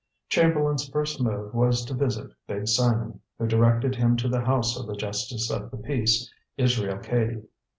Chamberlain's first move was to visit Big Simon, who directed him to the house of the justice of the peace, Israel Cady.